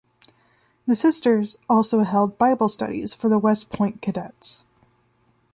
The sisters also held Bible studies for the West Point cadets.